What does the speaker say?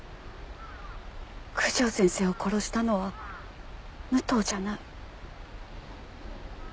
九条先生を殺したのは武藤じゃない。